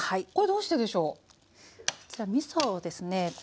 こちらみそをですね